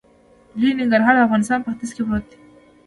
لوی ننګرهار د افغانستان په ختیځ کې پروت دی.